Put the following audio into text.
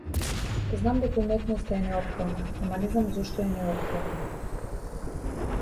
Знам дека уметноста е неопходна, ама не знам зошто е неопходна.